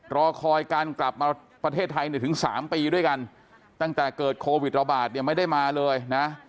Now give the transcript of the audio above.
รอคอยการกลับมาประเทศไทยเนี่ยถึง๓ปีด้วยกันตั้งแต่เกิดโควิดระบาดเนี่ยไม่ได้มาเลยนะ